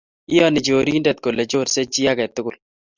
Iyaani chorindet kole chorse chii agetul